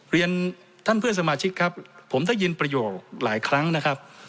เรียนท่านเพื่อนสมาชิกครับผมได้ยินประโยคหลายครั้งนะครับ